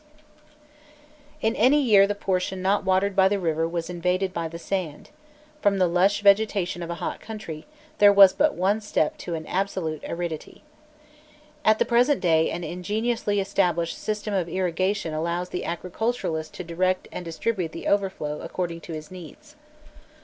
] In any year the portion not watered by the river was invaded by the sand: from the lush vegetation of a hot country, there was but one step to absolute aridity. At the present day an ingeniously established system of irrigation allows the agriculturist to direct and distribute the overflow according to his needs.